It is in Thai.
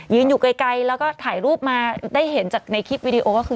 อยู่ไกลแล้วก็ถ่ายรูปมาได้เห็นจากในคลิปวิดีโอก็คือ